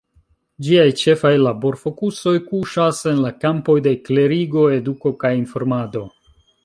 Ĝiaj ĉefaj laborfokusoj kuŝas en la kampoj de klerigo, eduko kaj informado.